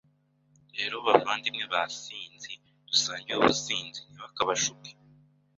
Rata bavandimwe basinzi dusangiye ubusinzi ntibakabashuke